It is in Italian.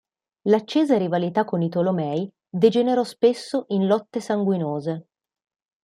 L'accesa rivalità con i Tolomei degenerò spesso in lotte sanguinose.